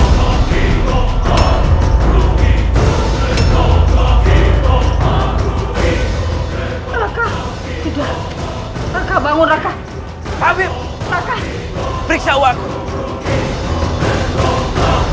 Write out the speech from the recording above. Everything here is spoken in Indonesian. kau tidak boleh meninggal raka